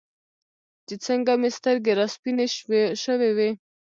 چې څنګه مې سترګې راسپینې شوې وې.